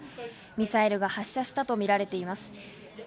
ミサイルが発射したとみられています。